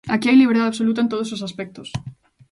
Aquí hai liberdade absoluta en todos os aspectos.